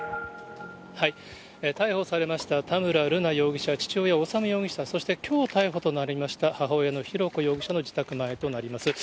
逮捕されました田村瑠奈容疑者、父親、修容疑者、そしてきょう逮捕となりました母親の浩子容疑者の自宅前となります。